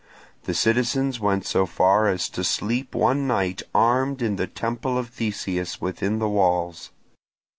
The citizens went so far as to sleep one night armed in the temple of Theseus within the walls.